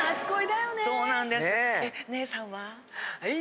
そうなんです。